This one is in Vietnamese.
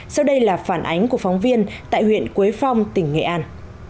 sau đây là phản ánh của phóng viên tại huyện quế phong tỉnh nghệ an